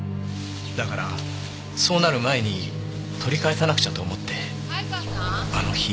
だからそうなる前に取り返さなくちゃと思ってあの日。